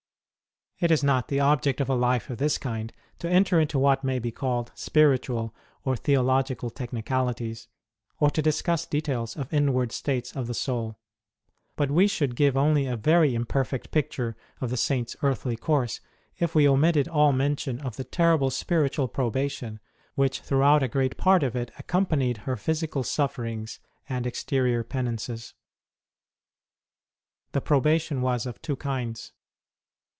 It is not the object of a Life of this kind to enter into what may be called spiritual or theological tech nicalities, or to discuss details of inward states of the soul ; but we should give only a very im perfect picture of the Saint s earthly course if we omitted all mention of the terrible spiritual pro bation which throughout a great part of it accompanied her physical sufferings and exterior penances. The probation was of two kinds.